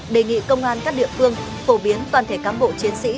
đề nghị công an các địa phương phổ biến toàn thể cán bộ chiến sĩ